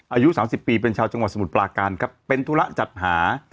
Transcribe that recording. อายุ๓๐ปีเป็นชาวจังหวัดสมุทรปลาการครับเป็นธุระจัดหา